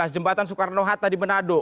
jembatan soekarno hatta di manado